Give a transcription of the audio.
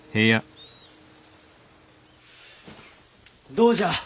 どうじゃ？